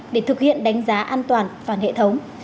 để thực hiện đánh giá an toàn phản hệ thống